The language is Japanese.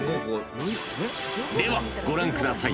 ［ではご覧ください］